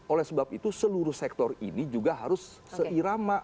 oleh sebab itu seluruh sektor ini juga harus seirama